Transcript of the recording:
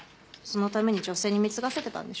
そのために女性に貢がせてたんでしょう。